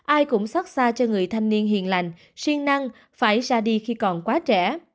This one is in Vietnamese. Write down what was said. ai cũng xót xa cho người thanh niên hiền lành siêng năng phải ra đi khi còn quá trẻ